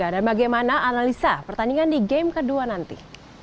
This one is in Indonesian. dan bagaimana analisa pertandingan di game kedua nanti